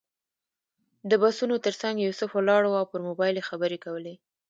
د بسونو تر څنګ یوسف ولاړ و او پر موبایل یې خبرې کولې.